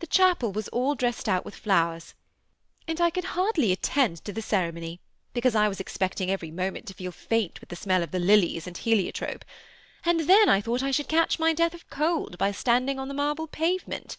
The chapel was all dressed out with flowers ; and I could hardly attend to the ceremony, because I was expecting every moment to feel faint with the smell of the lilies and heliotrope ; and then I thought I should catch my death of cold by stancting on the marble pavement.